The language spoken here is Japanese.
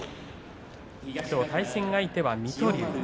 きょうの対戦相手は水戸龍。